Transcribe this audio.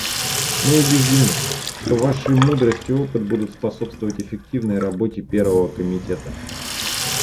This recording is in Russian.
Мы убеждены, что Ваши мудрость и опыт будут способствовать эффективной работе Первого комитета.